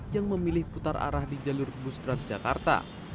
yang memilih putar arah di jalur bustat jakarta